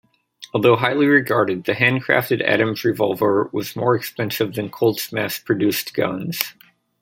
Although highly regarded, the hand-crafted Adams revolver was more expensive than Colt's mass-produced guns.